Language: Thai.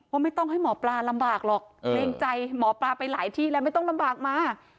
ว่าไม่ต้องให้หมอปลาลำบากหรอกเกรงใจหมอปลาไปหลายที่แล้วไม่ต้องลำบากมา